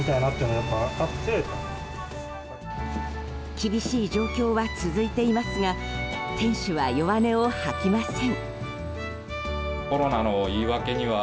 厳しい状況は続いていますが店主は弱音を吐きません。